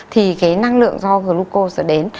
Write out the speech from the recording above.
thì cái năng lượng do glucose sẽ đến